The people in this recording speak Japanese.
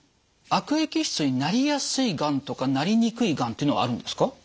悪液質になりやすいがんとかなりにくいがんっていうのはあるんですか？